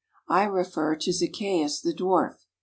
I refer to Zaccheus the dwarf.